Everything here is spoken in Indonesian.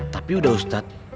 tapi udah ustadz